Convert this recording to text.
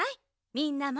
みんなも！